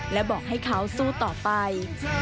และบอกให้เขาสู้ต่อไป